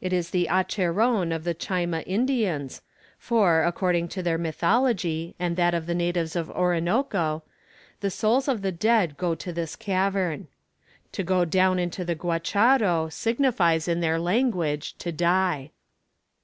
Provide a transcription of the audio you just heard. It is the Acheron of the Chayma Indians, for, according to their mythology and that of the natives of Orinoco, the souls of the dead go to this cavern. To go down into the Guacharo signifies in their language to die.